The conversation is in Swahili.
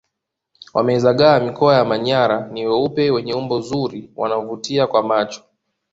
Wamezagaa mikoa ya manyara ni weupe wenye umbo zuri wanavutia kwa macho